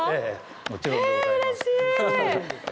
もちろんでございます。